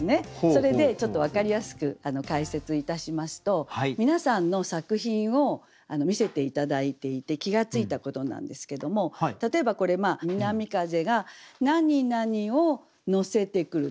それでちょっと分かりやすく解説いたしますと皆さんの作品を見せて頂いていて気が付いたことなんですけども例えばこれ南風がなになにを乗せてくる。